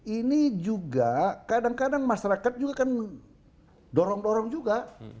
ini juga kadang kadang masyarakat juga kan dorong dorong juga